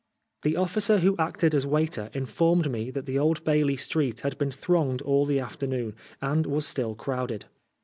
The officer who acted as waiter informed me that the Old Bailey Street had been thronged all the afternoon, and was still crowded.